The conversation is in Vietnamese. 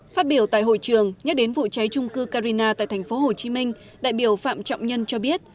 phát biểu tại hội trường nhắc đến vụ cháy trung cư carina tại tp hcm đại biểu phạm trọng nhân cho biết